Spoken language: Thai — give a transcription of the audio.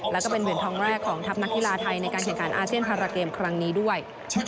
แล้วก็เป็นเหรียญทองแรกของทัพนักกีฬาไทยในการแข่งขันอาเซียนพาราเกมครั้งนี้ด้วย